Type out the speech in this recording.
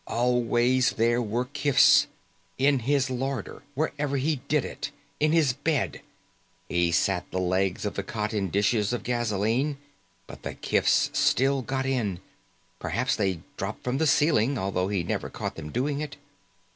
Always there were kifs. In his larder, wherever he did it. In his bed. He sat the legs of the cot in dishes of gasoline, but the kifs still got in. Perhaps they dropped from the ceiling, although he never caught them doing it.